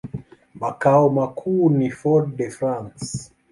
Makao makuu ni Fort-de-France.